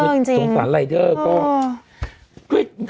โหสงสารไลเดอร์จริง